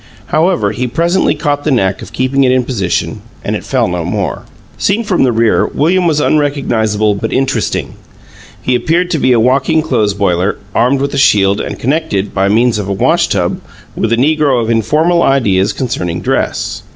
However, he presently caught the knack of keeping it in position, and it fell no more. Seen from the rear, William was unrecognizable but interesting. He appeared to be a walking clothes boiler, armed with a shield and connected, by means of a wash tub, with a negro of informal ideas concerning dress.